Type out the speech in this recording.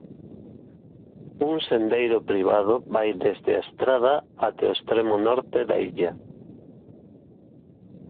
Un sendeiro privado vai desde a estrada até o extremo norte da illa.